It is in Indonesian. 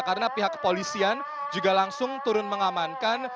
karena pihak kepolisian juga langsung turun mengamankan